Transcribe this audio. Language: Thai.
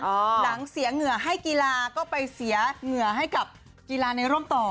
หลังเสียเหงื่อให้กีฬาก็ไปเสียเหงื่อให้กับกีฬาในร่มต่อ